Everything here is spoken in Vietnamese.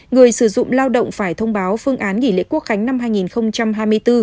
người sử dụng lao động phải thông báo phương án nghỉ lễ quốc khánh năm hai nghìn hai mươi bốn